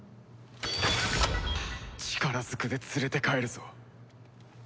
力ずくで連れて帰るぞ。